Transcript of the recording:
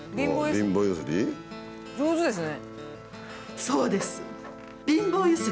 上手ですね。